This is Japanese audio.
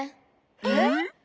えっ？